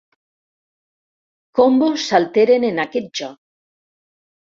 Combos s'alteren en aquest joc.